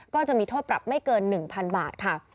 ก็จะมีโทษปรับไม่เกิน๑๐๐๐บาทค่ะ